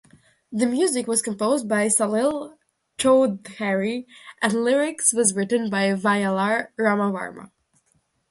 The music was composed by Salil Chowdhary and lyrics was written by Vayalar Ramavarma.